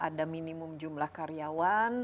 ada minimum jumlah karyawan